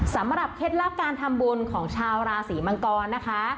เคล็ดลับการทำบุญของชาวราศีมังกรนะคะ